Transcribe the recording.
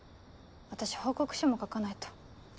私報告書も書かないと。